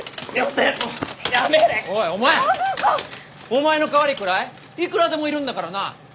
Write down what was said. お前の代わりくらいいくらでもいるんだからな！